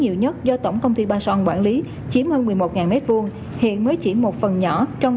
nhiều nhất do tổng công ty bason quản lý chiếm hơn một mươi một mét vuông hiện mới chỉ một phần nhỏ trong